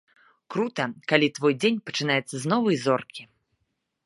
Крута, калі твой дзень пачынаецца з новай зоркі.